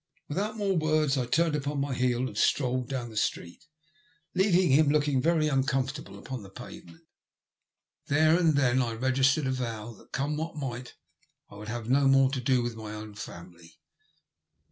Without more words I turned upon my heel and strolled on down the street, leaving him looking very uncomfortable upon the pavement. There and then I registered a vow that, come what might, I would have no more to do with my own family.